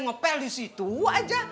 ngopel disitu aja